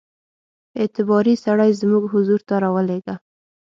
اعتباري سړی زموږ حضور ته را ولېږه.